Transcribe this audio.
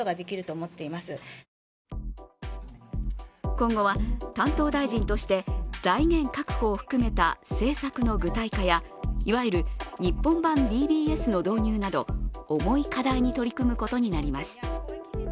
今後は担当大臣として財源確保を含めた政策の具体化やいわゆる日本版ＤＢＳの導入など重い課題に取り組むことになります。